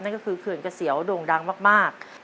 นั่นก็คือเขื่อนเกษียวโด่งดังมาก